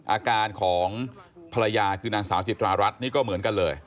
อาการของภรรยาคือนางสาวจิตรารัฐนี่ก็เหมือนกันเลย